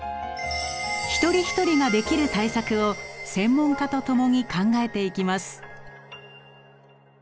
一人一人ができる対策を専門家と共に考えていきます。